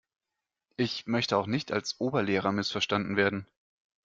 Ich möchte auch nicht als Oberlehrer missverstanden werden.